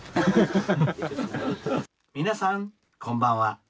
「皆さんこんばんは。